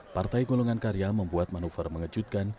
partai golongan karya membuat manuver mengejutkan